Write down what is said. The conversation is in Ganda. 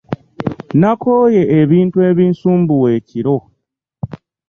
Nakooye ebintu ebinsumbuwa ekiro.